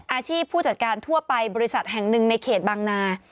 ผู้จัดการทั่วไปบริษัทแห่งหนึ่งในเขตบางนา